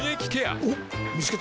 おっ見つけた。